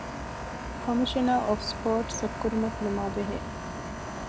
ކޮމިޝަނަރ އޮފް ސްޕޯޓްސްއަށް ކުރިމަތިލުމާ ބެހޭ